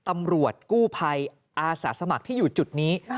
ตำรวจกู้ภัยอาสาสมัครที่อยู่จุดนี้